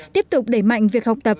tiếp tục đẩy mạnh việc học tập